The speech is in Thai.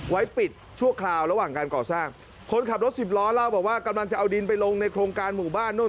ไว้ปิดชั่วคราวระหว่างการก่อสร้างคนขับรถสิบล้อเล่าบอกว่ากำลังจะเอาดินไปลงในโครงการหมู่บ้านนู่น